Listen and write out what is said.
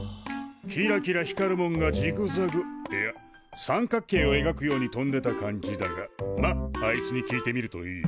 キラキラ光るもんがジグザグいや三角形をえがくように飛んでた感じだがまっあいつに聞いてみるといい。